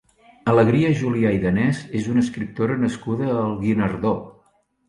Alegria Julià i Danés és una escriptora nascuda al Guinardó.